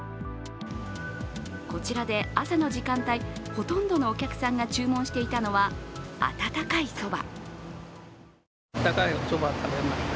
こちらで朝の時間帯、ほとんどのお客さんが注文していたのは温かいそば。